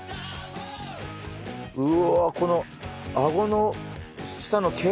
うわこのあごの下の毛？